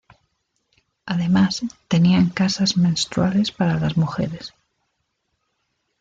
Además tenían casas menstruales para las mujeres.